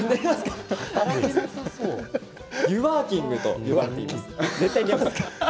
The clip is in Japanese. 湯ワーキングと呼ばれています。